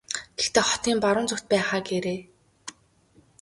Гэхдээ хотын баруун зүгт байх аа гээрэй.